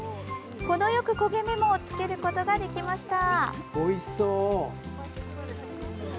程よく焦げ目もつけることができました。